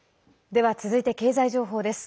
では、続いて経済情報です。